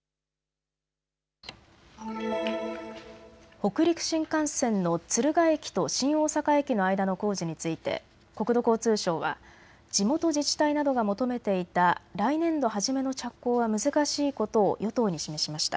北陸新幹線の敦賀駅と新大阪駅の間の工事について、国土交通省は地元自治体などが求めていた来年度初めの着工は難しいことを与党に示しました。